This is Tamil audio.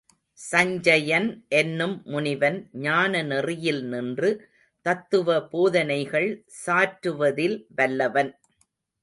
சஞ்சயன் என்னும் முனிவன் ஞான நெறியில் நின்று தத்துவ போதனைகள் சாற்றுவ தில் வல்லவன்.